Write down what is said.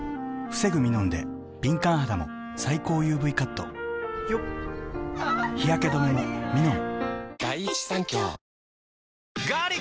防ぐミノンで敏感肌も最高ＵＶカット日焼け止めもミノン！